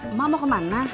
emak mau kemana